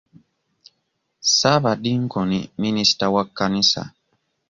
Ssabadinkoni minisita wa kkanisa.